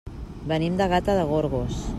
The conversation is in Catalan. Venim de Gata de Gorgos.